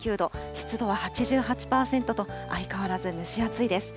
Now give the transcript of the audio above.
湿度は８８％と、相変わらず蒸し暑いです。